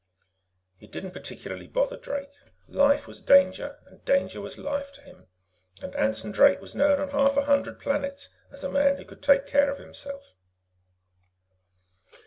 It didn't particularly bother Drake; life was danger and danger was life to him, and Anson Drake was known on half a hundred planets as a man who could take care of himself.